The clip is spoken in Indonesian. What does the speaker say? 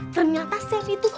ternyata sefi itu